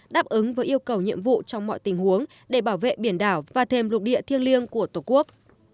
đáp ứng với yêu cầu nhiệm vụ trong mọi tình huống để bảo vệ biển đảo và thêm lục địa thiêng liêng của tổ quốc